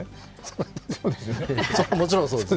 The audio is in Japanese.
もちろんそうです。